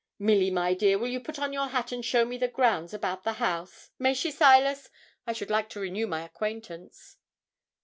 'Milly, my dear, will you put on your hat and show me the grounds about the house? May she, Silas? I should like to renew my acquaintance.'